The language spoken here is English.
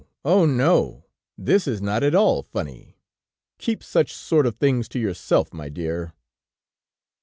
Oh! no; this is not at all funny ... keep such sort of things to yourself, my dear!"